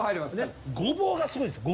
ごぼうがすごいんですよ。